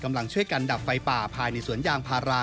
กำลังช่วยกันดับไฟป่าภายในสวนยางพารา